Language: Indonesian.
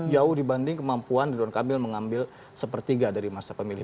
jauh dibanding kemampuan ridwan kamil mengambil sepertiga dari masa pemilih